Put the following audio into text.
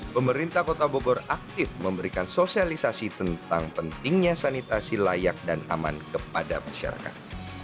pemerintah kota bogor aktif memberikan sosialisasi tentang pentingnya sanitasi layak dan aman kepada masyarakat